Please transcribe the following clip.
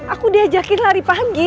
aku diajakin lari pagi